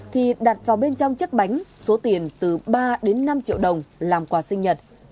thì đặt vào bên trong chiếc bánh số tiền từ ba đến năm triệu đồng làm quà sinh nhật